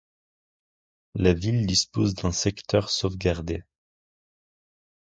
La ville dispose d’un secteur sauvegardé.